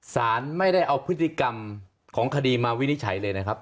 สารไม่ได้เอาพฤติกรรมของคดีมาวินิจฉัยเลยนะครับ